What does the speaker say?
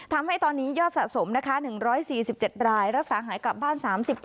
ทำให้ตอนนี้ยอดสะสมนะคะ๑๔๗รายรักษาหายกลับบ้าน๓๘